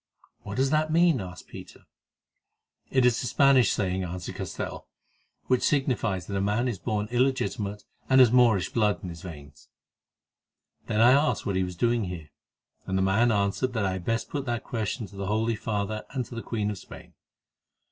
"What does that mean?" asked Peter. "It is a Spanish saying," answered Castell, "which signifies that a man is born illegitimate, and has Moorish blood in his veins." "Then I asked what he was doing here, and the man answered that I had best put that question to the Holy Father and to the Queen of Spain.